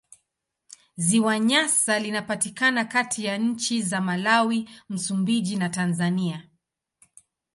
Ziwa Nyasa linapatikana kati ya nchi za Malawi, Msumbiji na Tanzania.